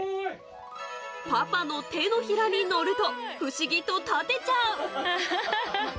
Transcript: パパの手のひらに乗ると、不思議と立てちゃう。